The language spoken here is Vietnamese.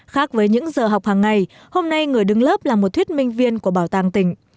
khác với những giờ học hàng ngày hôm nay người đứng lớp là một thuyết minh viên của bảo tàng tỉnh